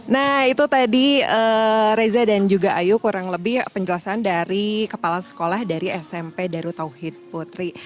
nah itu tadi reza dan juga ayu kurang lebih penjelasan dari kepala sekolah dari smp darut tauhid putri